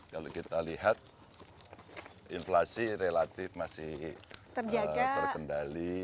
kalau kita lihat inflasi relatif masih terkendali